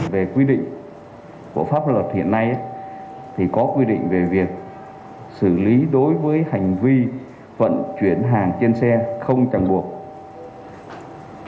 về quy định của pháp luật hiện nay thì có quy định về việc xử lý đối với hành vi vận chuyển hàng trên xe không chẳng buộc